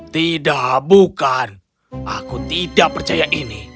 tidak bukan aku tidak percaya ini